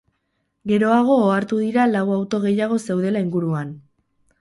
Geroago ohartu dira lau auto gehiago zeudela inguruan.